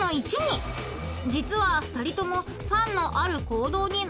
［実は２人とも］